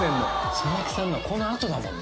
佐々木さんのはこのあとだもんね